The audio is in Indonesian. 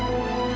aku mau pergi